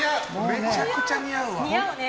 めちゃくちゃ似合うわ。